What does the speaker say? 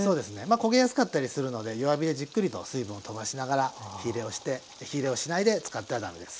焦げやすかったりするので弱火でじっくりと水分をとばしながら火いれをして火いれをしないで使っては駄目です。